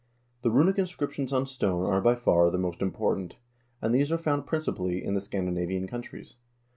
The runic inscriptions on stone are by far the most important, and these are found principally in the Scandinavian countries.